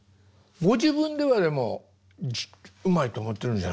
ご自分ではでもうまいと思ってるんじゃないですか？